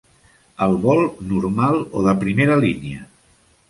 El vol normal o de primera línia?